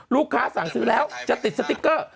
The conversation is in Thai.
สั่งซื้อแล้วจะติดสติ๊กเกอร์